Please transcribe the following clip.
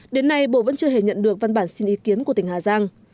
đến nay bộ vẫn chưa hề nhận được văn bản xin ý kiến của tỉnh hà giang